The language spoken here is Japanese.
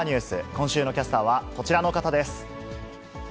今週のキャスターは、こちらの方です。